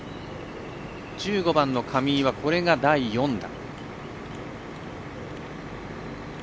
１５番の上井は第４打。